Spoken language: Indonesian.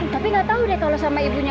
tapi nggak tahu deh kalau sama ibunya